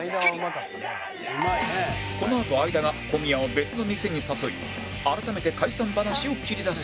このあと相田が小宮を別の店に誘い改めて解散話を切り出す